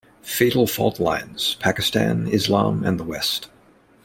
"Fatal Faultlines: Pakistan, Islam and the West".